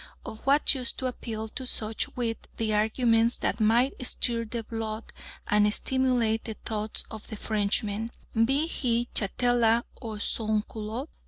Of what use to appeal to such with the arguments that might stir the blood and stimulate the thoughts of the Frenchman, be he chatelain or sans culotte?